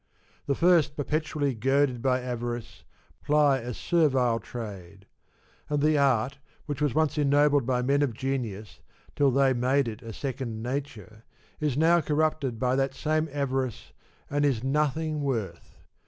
The first perpetually goaded by avarice, ply a servile trade ; and V the art which was once ennobled by men of genius till they made it a second nature is now corrupted by that same avarice and is nothing worth.